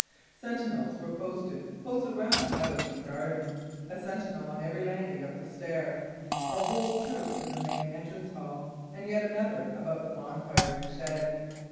Sentinels were posted close around the house and garden; a sentinel on every landing of the stair, a whole troop in the main entrance hall; and yet another about the bonfire in the shed.